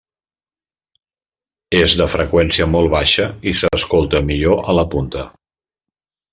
És de freqüència molt baixa i s'escolta millor a la punta.